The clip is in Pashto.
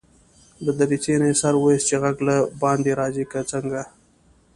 له دريڅې نه يې سر واېست چې غږ له باندي راځي که څنګه.